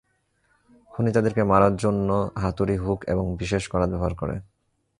খুনি তাদেরকে মারার জন্য, হাতুড়ি, হুক এবং বিশেষ করাত ব্যাবহার করে।